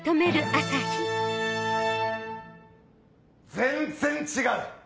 全然違う！